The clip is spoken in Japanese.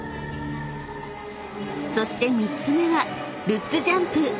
［そして３つ目はルッツジャンプ］